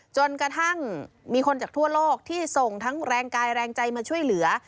จนกระทั่งมีคนจากทั่วโลกที่ส่งทั้งแรงกายแรงใจมาช่วยเหลือ